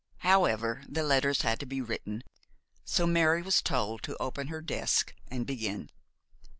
However, the letters had to be written, so Mary was told to open her desk and begin.